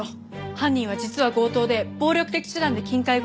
犯人は実は強盗で暴力的手段で金塊強奪を計画してる。